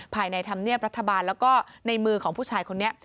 ภายในธรรมเนียบรัฐบาลแล้วก็ในมือของผู้ชายคนนี้